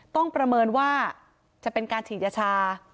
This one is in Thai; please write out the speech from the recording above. ประเมินว่าจะเป็นการฉีดยาชา